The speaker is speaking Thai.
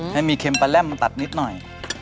ให้มีเค็มปลาแร่มมันตัดนิดหน่อย